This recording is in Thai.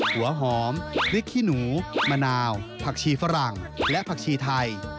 หัวหอมพริกขี้หนูมะนาวผักชีฝรั่งและผักชีไทย